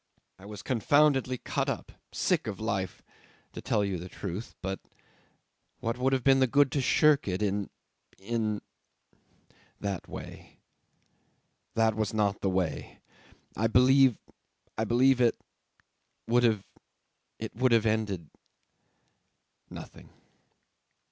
I was confoundedly cut up. Sick of life to tell you the truth; but what would have been the good to shirk it in in that way? That was not the way. I believe I believe it would have it would have ended nothing."